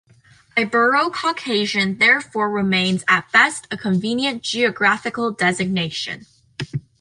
"Ibero-Caucasian" therefore remains at best a convenient geographical designation.